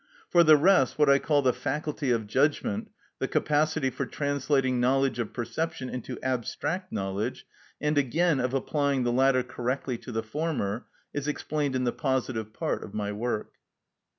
For the rest, what I call the faculty of judgment, the capacity for translating knowledge of perception into abstract knowledge, and again of applying the latter correctly to the former, is explained in the positive part of my work.